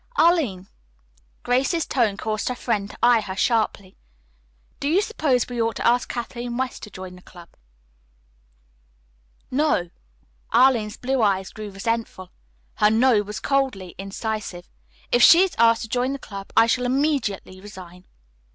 "Arline," Grace's tone caused her friend to eye her sharply, "do you suppose we ought to ask Kathleen West to join our club?" "No." Arline's blue eyes grew resentful. Her "no" was coldly incisive. "If she is asked to join the club, I shall immediately resign."